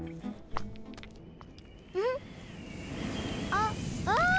あっああ！